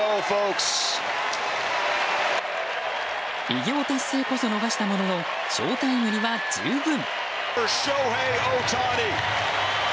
偉業達成こそ逃したもののショータイムには十分。